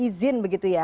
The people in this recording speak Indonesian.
izin begitu ya